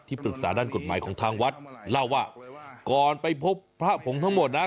ปรึกษาด้านกฎหมายของทางวัดเล่าว่าก่อนไปพบพระผงทั้งหมดนะ